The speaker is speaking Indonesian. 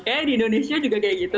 eh di indonesia juga kayak gitu